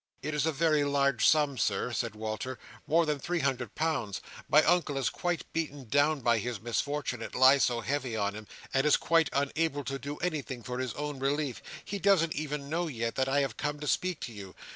"It is a very large sum, Sir," said Walter. "More than three hundred pounds. My Uncle is quite beaten down by his misfortune, it lies so heavy on him; and is quite unable to do anything for his own relief. He doesn't even know yet, that I have come to speak to you.